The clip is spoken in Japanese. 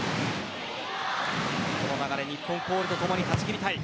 この流れ、日本コールとともに断ち切りたい。